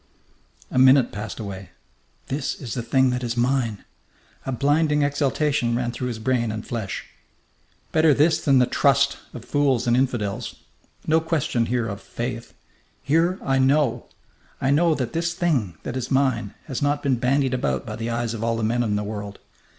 A minute passed away. "This is the thing that is mine!" A blinding exultation ran through his brain and flesh. "Better this than the 'trust' of fools and infidels! No question here of 'faith.' Here I know! I know that this thing that is mine has not been bandied about by the eyes of all the men in the world.